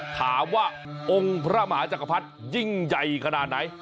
ถามว่าองค์พระมหาจักรพรรดิยิ่งใหญ่ขนาดไหน